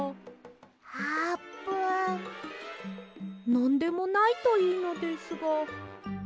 なんでもないといいのですが。